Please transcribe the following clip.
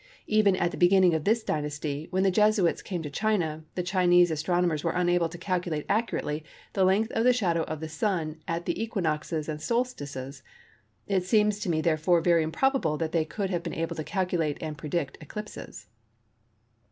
Even at the beginning of this dynasty, when the Jesuits came to China, the Chinese astronomers were unable to calculate accurately the length of the shadow of the Sun at the equinoxes and solstices. It seems to me therefore very improbable that they could have been able to calculate and predict eclipses."